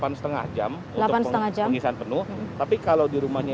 untuk pengisian penuh tapi kalau di rumahnya